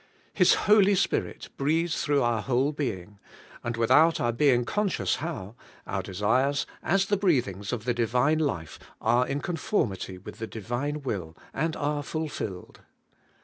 His Holy Spirit breathes through our whole being; and without our being conscious how, our desires, as the breathings of the Divine life. 160 ABIDE IN CHRIST: are in conformity with the Divine will, and are ful filled.